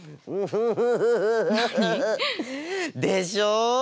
何？でしょう